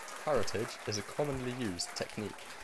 Curettage is a commonly used technique.